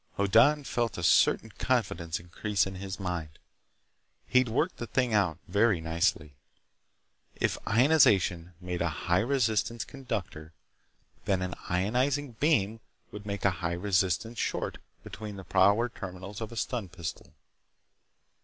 Hoddan felt a certain confidence increase in his mind. He'd worked the thing out very nicely. If ionization made air a high resistance conductor, then an ionizing beam would make a high resistance short between the power terminals of a stun pistol.